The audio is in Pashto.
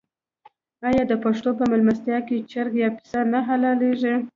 آیا د پښتنو په میلمستیا کې چرګ یا پسه نه حلاليږي؟